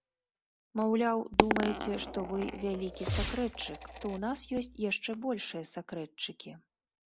Маўляў, думаеце, што вы вялікі сакрэтчык, то ў нас ёсць яшчэ большыя сакрэтчыкі.